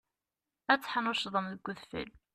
Ad teḥnuccḍem deg udfel.